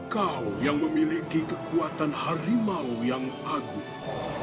kau yang memiliki kekuatan harimau yang agung